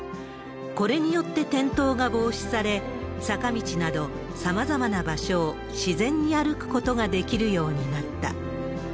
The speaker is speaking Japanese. これによって転倒が防止され、坂道などさまざまな場所を自然に歩くことができるようになった。